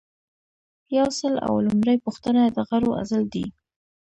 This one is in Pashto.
یو سل او لومړۍ پوښتنه د غړو عزل دی.